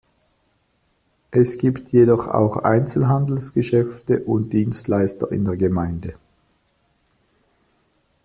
Es gibt jedoch auch Einzelhandelsgeschäfte und Dienstleister in der Gemeinde.